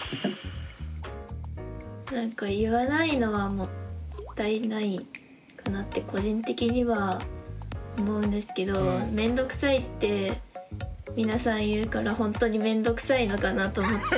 なんか言わないのはもったいないかなって個人的には思うんですけどメンドくさいって皆さん言うからほんとにメンドくさいのかなと思って。